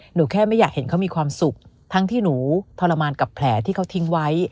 หนูแค่ไม่อยากเห็นเขามีความสุขทั้งที่หนูทรมานกับแผลที่เขาทิ้งไว้